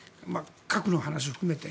核の話を含めて。